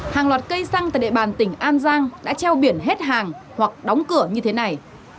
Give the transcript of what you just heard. hàng loạt cây xăng tại địa bàn tỉnh an giang đã treo biển hết hàng hoặc đóng cửa như thế này